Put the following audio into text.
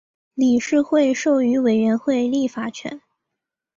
理事会授予委员会立法权。